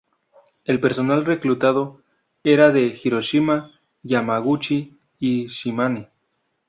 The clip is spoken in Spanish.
El personal reclutado era de Hiroshima, Yamaguchi y Shimane.